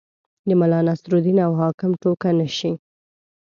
د ملا نصرالدین او حاکم ټوکه نه شي.